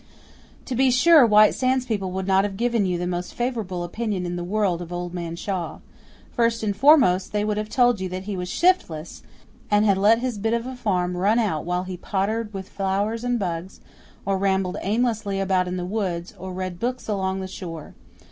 To be sure, White Sands people would not have given you the most favourable opinion in the world of Old Man Shaw. First and foremost, they would have told you that he was "shiftless," and had let his bit of a farm run out while he pottered with flowers and bugs, or rambled aimlessly about in the woods, or read books along the shore.